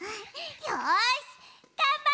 よしがんばるぞ！